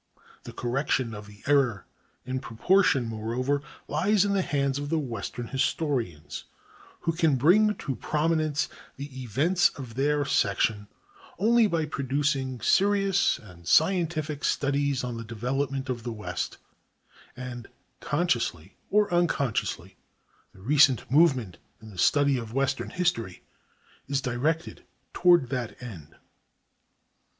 The correction of the error in proportion, moreover, lies in the hands of the western historians, who can bring to prominence the events of their section only by producing serious and scientific studies on the development of the West; and consciously or unconsciously the recent movement in the study of western history is directed toward that end.